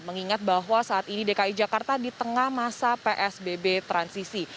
mengingat bahwa saat ini dki jakarta di tengah masa psbb transisi